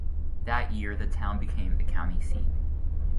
That year, the town became the county seat.